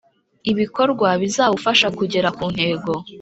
ibikorwa bizawufasha kugera ku ntego